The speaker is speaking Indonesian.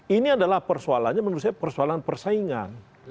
ini adalah persoalannya menurut saya persoalan persaingan